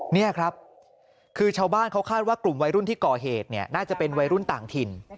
นี่ครับคือชาวบ้านเขาคาดว่ากลุ่มวัยรุ่นที่ก่อเหตุเนี่ยน่าจะเป็นวัยรุ่นต่างถิ่น